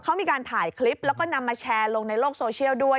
เขามีการถ่ายคลิปแล้วก็นำมาแชร์ลงในโลกโซเชียลด้วย